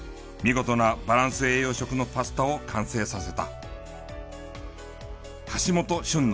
見事なバランス栄養食のパスタを完成させた。